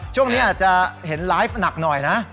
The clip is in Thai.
ช่วงนี้อาจจะเห็นไลฟ์หนักหน่อยนะ